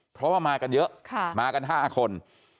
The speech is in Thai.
เพราะว่ามากันเยอะมากัน๕คน